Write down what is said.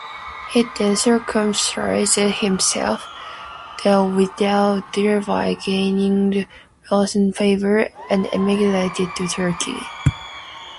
He then circumcised himself, though without thereby gaining Reubeni's favor, and emigrated to Turkey.